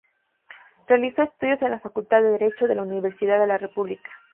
Realizó estudios en la Facultad de Derecho de la Universidad de la República.